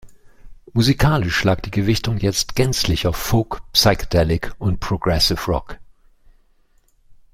Musikalisch lag die Gewichtung jetzt gänzlich auf Folk-, Psychedelic- und Progressive Rock.